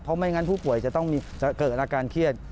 เพราะไม่งั้นผู้ป่วยจะต้องเกิดอาการเครียด